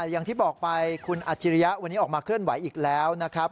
อย่างที่บอกไปคุณอัจฉริยะวันนี้ออกมาเคลื่อนไหวอีกแล้วนะครับ